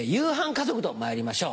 家族とまいりましょう。